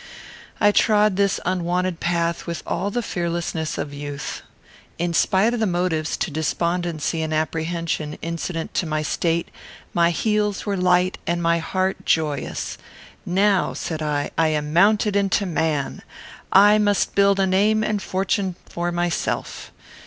I trod this unwonted path with all the fearlessness of youth. In spite of the motives to despondency and apprehension incident to my state, my heels were light and my heart joyous. "Now," said I, "I am mounted into man. I must build a name and a fortune for myself.